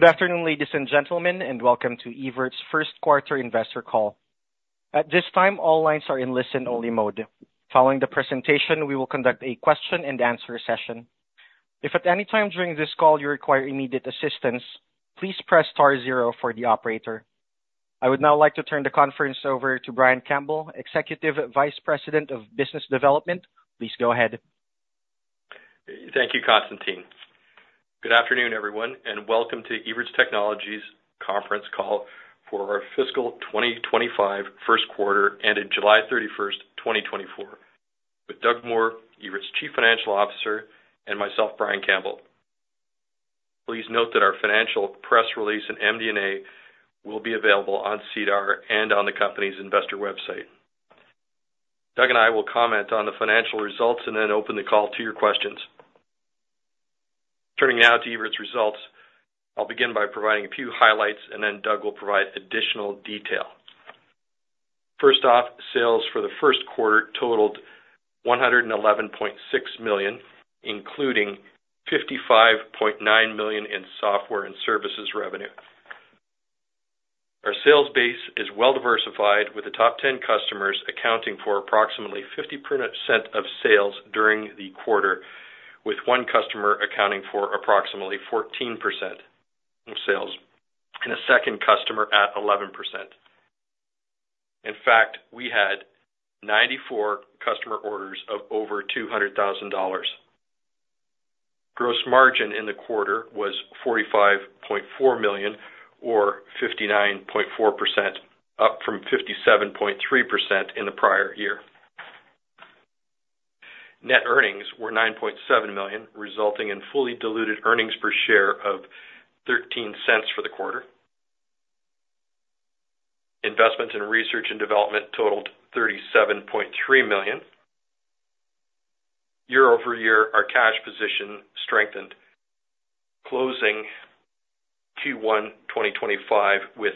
Good afternoon, ladies and gentlemen, and welcome to Evertz's first quarter investor call. At this time, all lines are in listen-only mode. Following the presentation, we will conduct a question-and-answer session. If at any time during this call you require immediate assistance, please press star zero for the operator. I would now like to turn the conference over to Brian Campbell, Executive Vice President of Business Development. Please go ahead. Thank you, Constantine. Good afternoon, everyone, and welcome to Evertz Technologies conference call for our fiscal twenty twenty-five first quarter ended July thirty-first, twenty twenty-four, with Doug Moore, Evertz's Chief Financial Officer, and myself, Brian Campbell. Please note that our financial press release and MD&A will be available on SEDAR and on the company's investor website. Doug and I will comment on the financial results and then open the call to your questions. Turning now to Evertz's results, I'll begin by providing a few highlights, and then Doug will provide additional detail. First off, sales for the first quarter totaled 111.6 million, including 55.9 million in software and services revenue. Our sales base is well diversified, with the top 10 customers accounting for approximately 50% of sales during the quarter, with one customer accounting for approximately 14% of sales and a second customer at 11%. In fact, we had 94 customer orders of over 200,000 dollars. Gross margin in the quarter was 45.4 million or 59.4%, up from 57.3% in the prior year. Net earnings were 9.7 million, resulting in fully diluted earnings per share of 0.13 for the quarter. Investments in research and development totaled 37.3 million. Year-over-year, our cash position strengthened, closing Q1 2025, with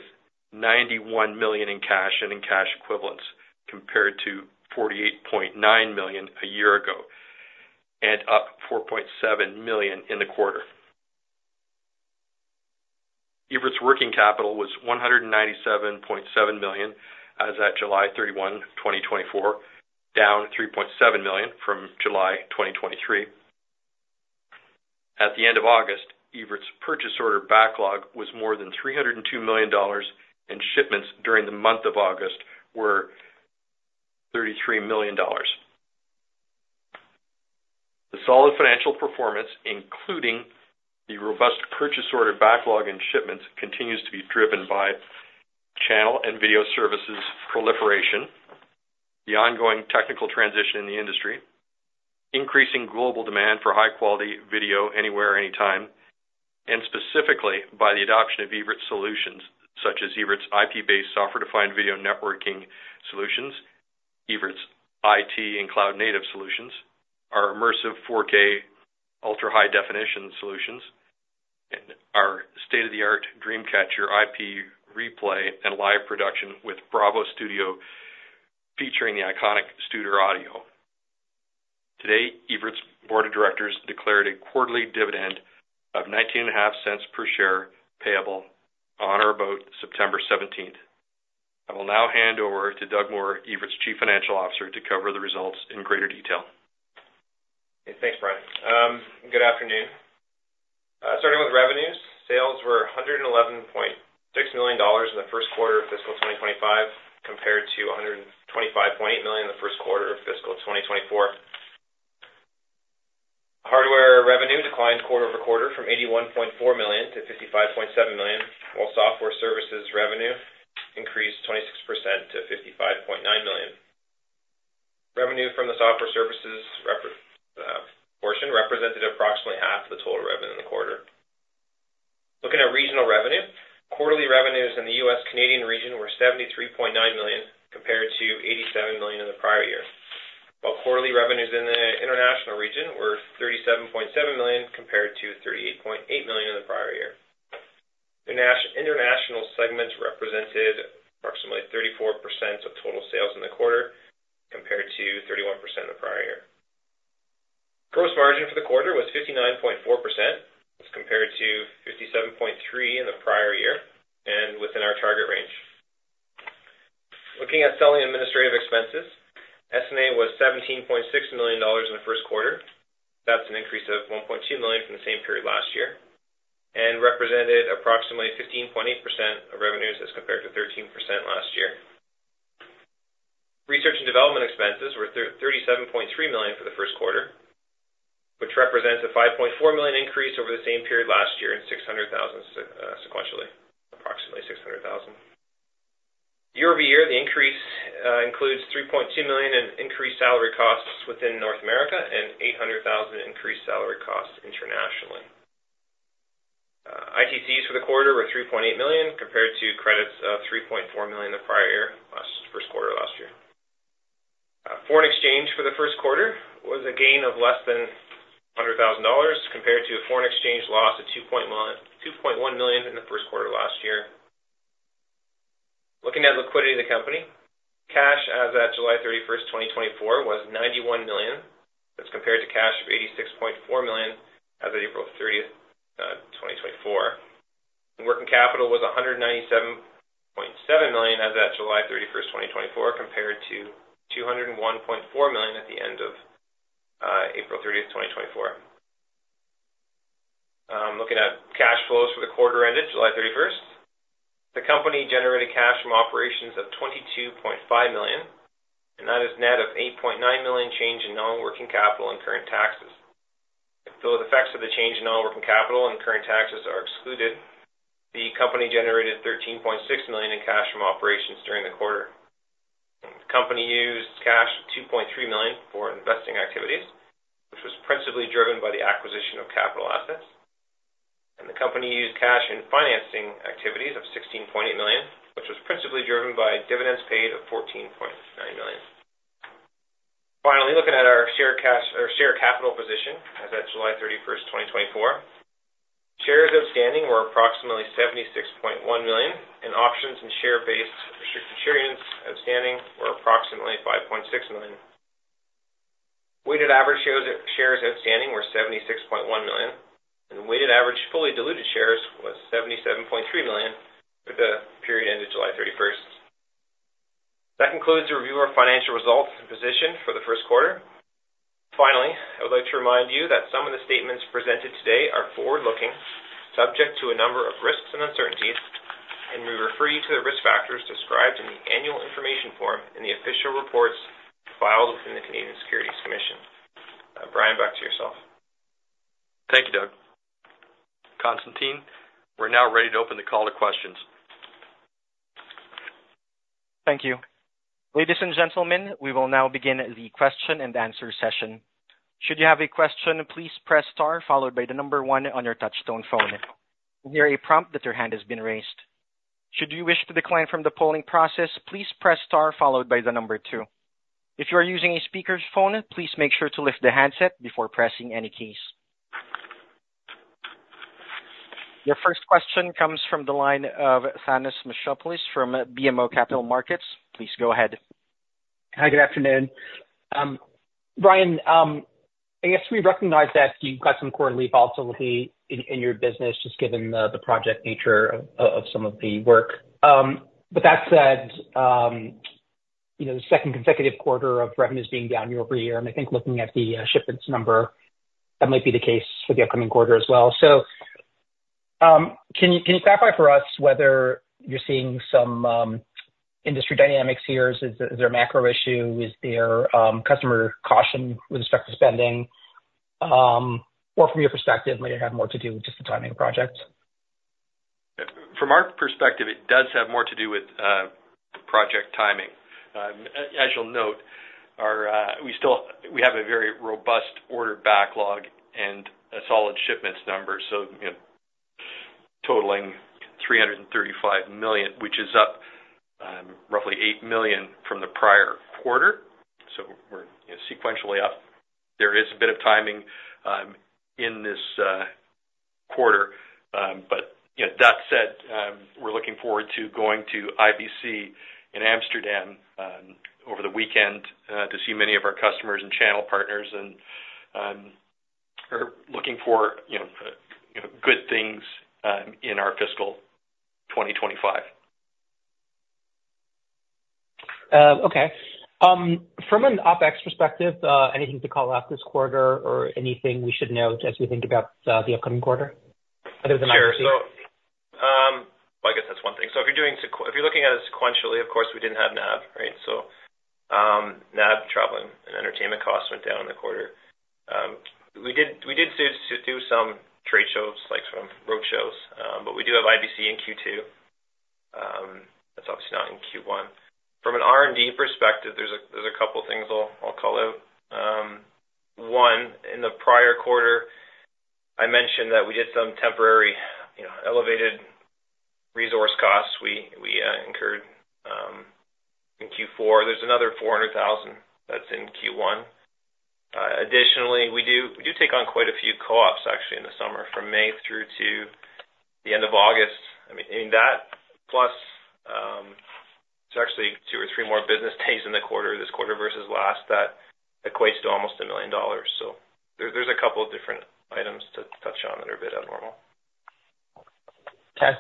91 million in cash and cash equivalents, compared to 48.9 million a year ago, and up 4.7 million in the quarter. Evertz's working capital was 197.7 million as at July 31, 2024, down 3.7 million from July 2023. At the end of August, Evertz's purchase order backlog was more than 302 million dollars, and shipments during the month of August were 33 million dollars. The solid financial performance, including the robust purchase order backlog and shipments, continues to be driven by channel and video services proliferation, the ongoing technical transition in the industry, increasing global demand for high-quality video anywhere, anytime, and specifically by the adoption of Evertz's solutions, such as Evertz's IP-based software-defined video networking solutions, Evertz's IT and cloud-native solutions, our immersive 4K ultra-high-definition solutions, and our state-of-the-art DreamCatcher IP replay and live production with Bravo Studio, featuring the iconic Studer Audio. Today, Evertz's board of directors declared a quarterly dividend of 0.195 per share, payable on or about September seventeenth. I will now hand over to Doug Moore, Evertz's Chief Financial Officer, to cover the results in greater detail. Thanks, Brian. Good afternoon. Starting with revenues, sales were 111.6 million dollars in the first quarter of fiscal 2025, compared to 125.8 million in the first quarter of fiscal 2024. Hardware revenue declined quarter over quarter from 81.4 million to 55.7 million, while software services revenue increased 26% to 55.9 million. Revenue from the software services portion represented approximately half of the total revenue in the quarter. Looking at regional revenue, quarterly revenues in the U.S./Canadian region were 73.9 million, compared to 87 million in the prior year. While quarterly revenues in the international region were 37.7 million, compared to 38.8 million in the prior year. The international segment represented approximately 34% of total sales in the quarter, compared to 31% in the prior year. Gross margin for the quarter was 59.4% as compared to 57.3% in the prior year, and within our target range. Looking at selling administrative expenses, SG&A was 17.6 million dollars in the first quarter. That's an increase of 1.2 million from the same period last year and represented approximately 15.8% of revenues as compared to 13% last year. Research and development expenses were thirty-seven point three million for the first quarter, which represents a 5.4 million increase over the same period last year, and six hundred thousand sequentially, approximately six hundred thousand. Year over year, the increase includes 3.2 million in increased salary costs within North America and 800,000 in increased salary costs internationally. ITCs for the quarter were 3.8 million, compared to credits of 3.4 million the prior year, first quarter last year. Foreign exchange for the first quarter was a gain of less than 100,000 dollars, compared to a foreign exchange loss of 2.1 million in the first quarter last year. Looking at liquidity in the company. July first, 2024 was 91 million. That's compared to cash of 86.4 million as of April thirtieth, 2024. Working capital was 197.7 million as at July thirty-first, 2024, compared to 201.4 million at the end of April thirtieth, 2024. Looking at cash flows for the quarter ended July thirty-first, the company generated cash from operations of 22.5 million, and that is net of 8.9 million change in non-working capital and current taxes. The effects of the change in non-working capital and current taxes are excluded, the company generated 13.6 million in cash from operations during the quarter. The company used cash of 2.3 million for investing activities, which was principally driven by the acquisition of capital assets. The company used cash in financing activities of 16.8 million, which was principally driven by dividends paid of 14.9 million. Finally, looking at our shares, cash, or share capital position as at July 31st, 2024. Shares outstanding were approximately 76.1 million, and options and share-based restricted shares outstanding were approximately 5.6 million. Weighted average shares outstanding were 76.1 million, and the weighted average fully diluted shares was 77.3 million for the period ended July 31st. That concludes the review of our financial results and position for the first quarter. Finally, I would like to remind you that some of the statements presented today are forward-looking, subject to a number of risks and uncertainties, and we refer you to the risk factors described in the Annual Information Form in the official reports filed with the Canadian Securities Administrators. Brian, back to yourself. Thank you, Doug. Constantine, we're now ready to open the call to questions. Thank you. Ladies and gentlemen, we will now begin the question and answer session. Should you have a question, please press star followed by the number one on your touchtone phone. You will hear a prompt that your hand has been raised. Should you wish to decline from the polling process, please press star followed by the number two. If you are using a speaker's phone, please make sure to lift the handset before pressing any keys. Your first question comes from the line of Thanos Moschopoulos from BMO Capital Markets. Please go ahead. Hi, good afternoon. Brian, I guess we recognize that you've got some quarterly volatility in your business, just given the project nature of some of the work. But that said, you know, the second consecutive quarter of revenues being down year over year, and I think looking at the shipments number, that might be the case for the upcoming quarter as well. So, can you clarify for us whether you're seeing some industry dynamics here? Is there a macro issue? Is there customer caution with respect to spending, or from your perspective, might it have more to do with just the timing of projects? From our perspective, it does have more to do with the project timing. As you'll note, we still have a very robust order backlog and a solid shipments number, so, you know, totaling 335 million, which is up roughly 8 million from the prior quarter. So we're, you know, sequentially up. There is a bit of timing in this quarter. But, you know, that said, we're looking forward to going to IBC in Amsterdam over the weekend to see many of our customers and channel partners and are looking for, you know, you know, good things in our fiscal 2025. Okay. From an OpEx perspective, anything to call out this quarter or anything we should note as we think about the upcoming quarter other than- Sure. So, well, I guess that's one thing. So if you're looking at it sequentially, of course, we didn't have NAB, right? So, NAB traveling and entertainment costs went down in the quarter. We did do some trade shows, like some road shows, but we do have IBC in Q2. That's obviously not in Q1. From an R&D perspective, there's a couple of things I'll call out. One, in the prior quarter, I mentioned that we had some temporary, you know, elevated resource costs we incurred in Q4. There's another 400,000 that's in Q1. Additionally, we do take on quite a few co-ops, actually, in the summer, from May through to the end of August. I mean, and that plus, it's actually two or three more business days in the quarter, this quarter versus last, that equates to almost 1 million dollars. So there, there's a couple of different items to touch on that are a bit abnormal. Okay.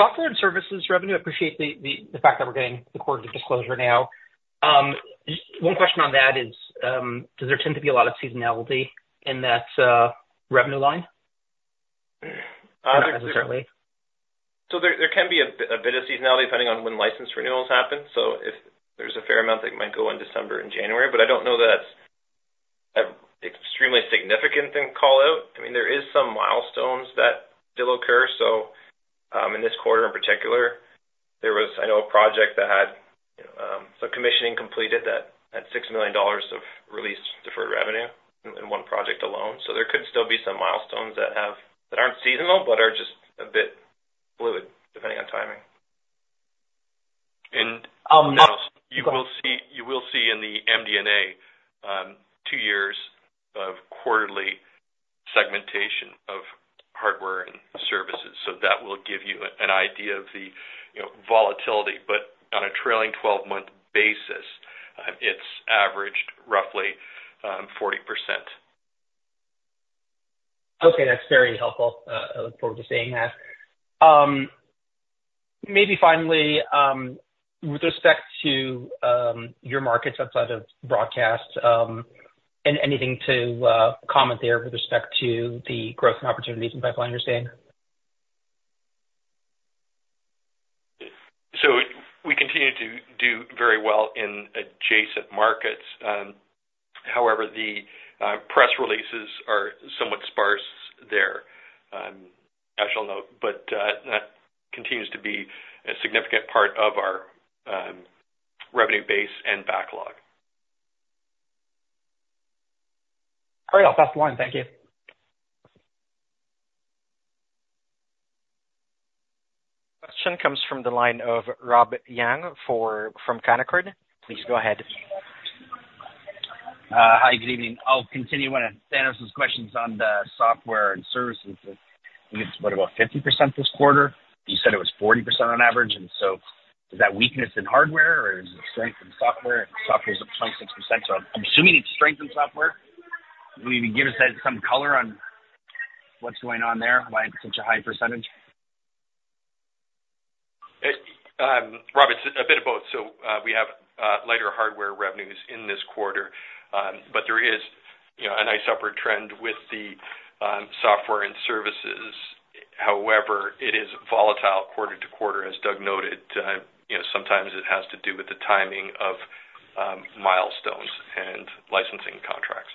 Software and services revenue, I appreciate the fact that we're getting the quarterly disclosure now. Just one question on that is, does there tend to be a lot of seasonality in that revenue line? Uh- Certainly. So there can be a bit of seasonality depending on when license renewals happen. So if there's a fair amount that might go in December and January, but I don't know, that's an extremely significant thing to call out. I mean, there is some milestones that still occur. So in this quarter, in particular, there was, I know, a project that had some commissioning completed that had 6 million dollars of released deferred revenue in one project alone. So there could still be some milestones that aren't seasonal, but are just a bit fluid, depending on timing. You will see, you will see in the MD&A two years of quarterly segment give you an idea of the, you know, volatility, but on a trailing twelve-month basis, it's averaged roughly 40%. Okay, that's very helpful. I look forward to seeing that. Maybe finally, with respect to your markets outside of broadcast, and anything to comment there with respect to the growth and opportunities and pipeline you're seeing? So we continue to do very well in adjacent markets. However, the press releases are somewhat sparse there, as you'll note, but that continues to be a significant part of our revenue base and backlog. Great. I'll pass the line. Thank you. Question comes from the line of Rob Young from Canaccord. Please go ahead. Hi, good evening. I'll continue one of Daniel's questions on the software and services. I think it's, what, about 50% this quarter? You said it was 40% on average, and so is that weakness in hardware or is it strength in software? Software is up 26%, so I'm assuming it's strength in software. Will you give us some color on what's going on there, why it's such a high percentage? It, Rob, it's a bit of both. So, we have, lighter hardware revenues in this quarter, but there is, you know, a nice upward trend with the, software and services. However, it is volatile quarter to quarter, as Doug noted. You know, sometimes it has to do with the timing of, milestones and licensing contracts.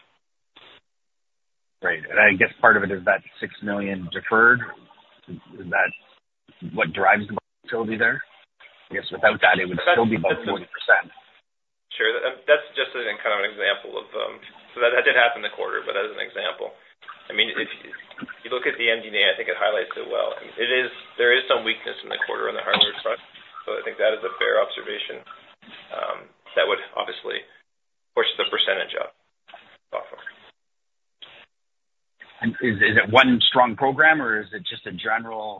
Great. And I guess part of it is that 6 million deferred. Is that what drives the volatility there? I guess without that, it would still be about 40%. Sure. That's just kind of an example of. So that did happen in the quarter, but as an example. I mean, if you look at the MD&A, I think it highlights it well. It is. There is some weakness in the quarter on the hardware front, so I think that is a fair observation, that would obviously push the percentage up software. And is it one strong program, or is it just a general,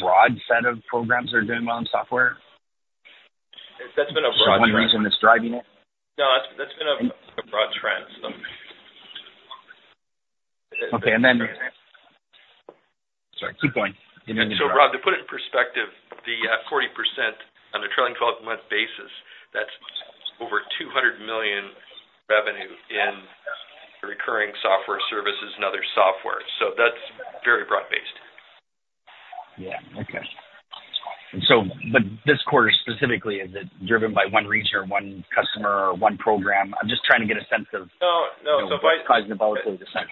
broad set of programs that are doing well in software? That's been a broad- One reason that's driving it? No, that's been a broad trend. Okay, and then... Sorry, keep going. And so, Rob, to put it in perspective, the 40% on a trailing twelve-month basis, that's over 200 million revenue in recurring software services and other software. So that's very broad-based. Yeah. Okay. So but this quarter specifically, is it driven by one region or one customer or one program? I'm just trying to get a sense of- No, no. -causative awfully decent.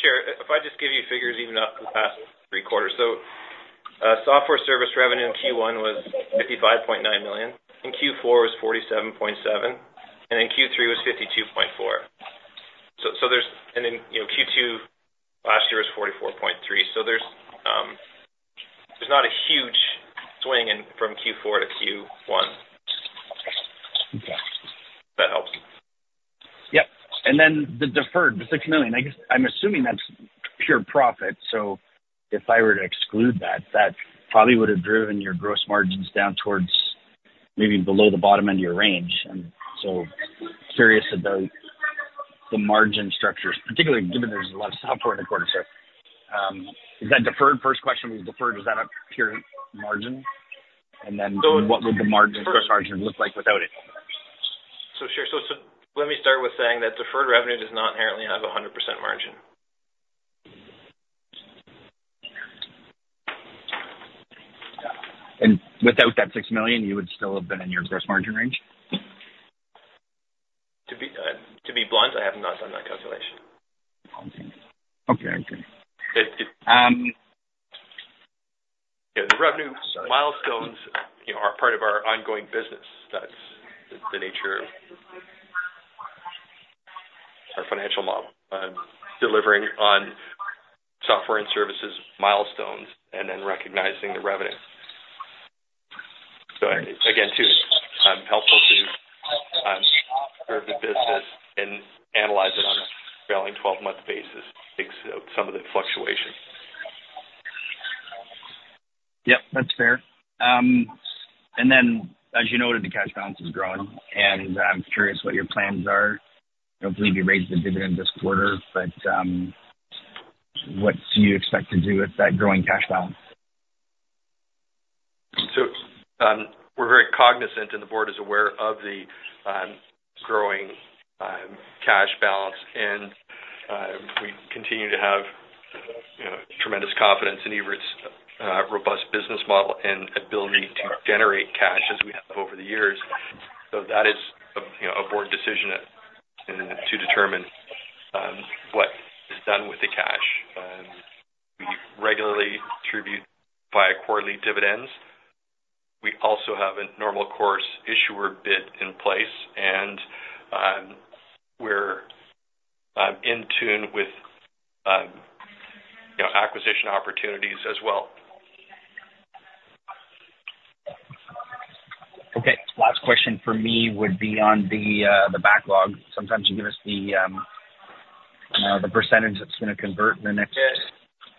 Sure. If I just give you figures, even up to the past three quarters. So, software service revenue in Q1 was 55.9 million, in Q4 was 47.7 million, and in Q3 was 52.4 million. So, there's and then, you know, Q2 last year was 44.3 million. So there's not a huge swing from Q4 to Q1. Yeah. If that helps. Yep. And then the deferred, the 6 million, I guess I'm assuming that's pure profit. So if I were to exclude that, that probably would have driven your gross margins down towards maybe below the bottom end of your range. And so curious about the margin structures, particularly given there's a lot of software in the quarter. Is that deferred? First question, is that a pure margin? And then what would the margin, gross margin look like without it? Sure. Let me start with saying that deferred revenue does not inherently have a 100% margin. Without that 6 million, you would still have been in your gross margin range? To be, to be blunt, I have not done that calculation. Okay. Okay. Um- Yeah, the revenue milestones, you know, are part of our ongoing business. That's the nature of our financial model, delivering on software and services milestones and then recognizing the revenue. So again, too, helpful to serve the business and analyze it on a trailing twelve-month basis, takes out some of the fluctuation. Yep, that's fair. And then, as you noted, the cash balance is growing, and I'm curious what your plans are. I believe you raised the dividend this quarter, but what do you expect to do with that growing cash balance? We're very cognizant, and the board is aware of the growing cash balance, and we continue to have, you know, tremendous confidence in Evertz's robust business model and ability to generate cash, as we have over the years. That is, you know, a board decision to determine what is done with the cash. We regularly distribute via quarterly dividends. We also have a Normal Course Issuer Bid in place, and we're in tune with, you know, acquisition opportunities as well.... Last question for me would be on the backlog. Sometimes you give us the percentage that's gonna convert in the next- Yes.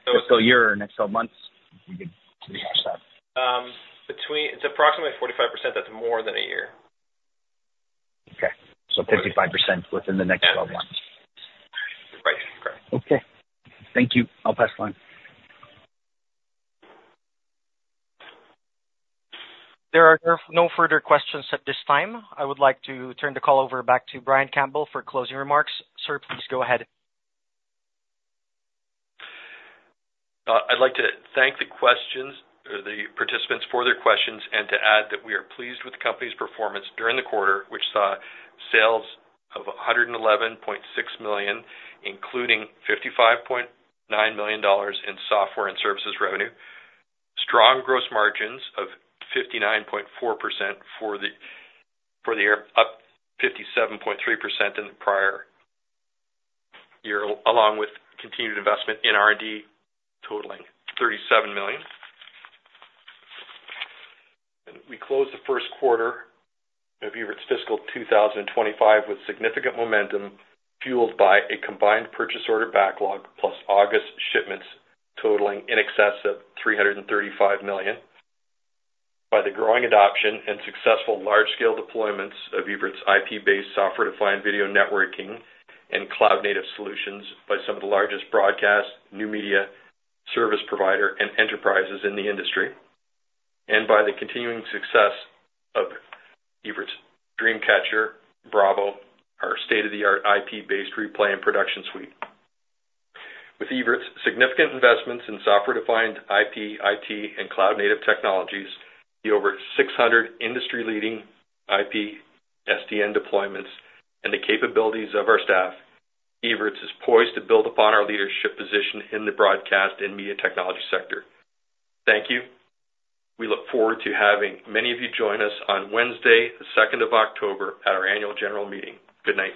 Fiscal year or next twelve months, if you could rehash that. It's approximately 45%. That's more than a year. Okay. So 55% within the next 12 months? Right. Correct. Okay. Thank you. I'll pass the line. There are no further questions at this time. I would like to turn the call over back to Brian Campbell for closing remarks. Sir, please go ahead. I'd like to thank the participants for their questions, and to add that we are pleased with the company's performance during the quarter, which saw sales of 111.6 million, including 55.9 million dollars in software and services revenue, strong gross margins of 59.4% for the year, up 57.3% in the prior year, along with continued investment in R&D, totaling 37 million. We closed the first quarter of Evertz fiscal 2025 with significant momentum, fueled by a combined purchase order backlog, plus August shipments totaling in excess of 335 million by the growing adoption and successful large-scale deployments of Evertz IP-based software-defined video networking and cloud-native solutions by some of the largest broadcast, new media, service provider, and enterprises in the industry. And by the continuing success of Evertz's DreamCatcher Bravo, our state-of-the-art IP-based replay and production suite. With Evertz's significant investments in software-defined IP, IT, and cloud-native technologies, the over six hundred industry-leading IP, SDN deployments, and the capabilities of our staff, Evertz is poised to build upon our leadership position in the broadcast and media technology sector. Thank you. We look forward to having many of you join us on Wednesday, the second of October, at our annual general meeting. Good night.